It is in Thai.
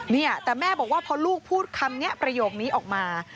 เนี่ยแต่แม่บอกว่าพอลูกพูดคำนี้ประโยคนี้ออกมา